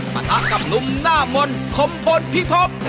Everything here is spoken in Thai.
มาทักกับนุ่มหน้ามนต์ขมพลพิภพ